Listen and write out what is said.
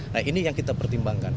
nah ini yang kita pertimbangkan